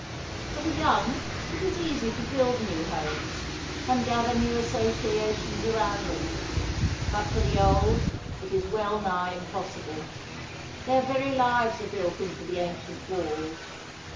For the young, it is easy to build new homes, and gather new associations around them; but for the old, it is well nigh impossible. Their very lives are built into the ancient walls.